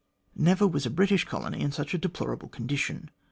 Never was a British colony in such a deplorable position.